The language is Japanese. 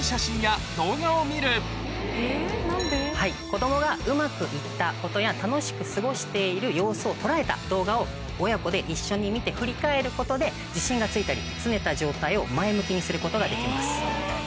子供がうまく行ったことや楽しく過ごしている様子を捉えた動画を親子で一緒に見て振り返ることで自信がついたりスネた状態を前向きにすることができます。